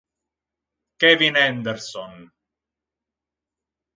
Kevin Henderson